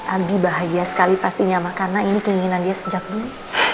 abi bahagia sekali pastinya karena ini keinginan dia sejak dulu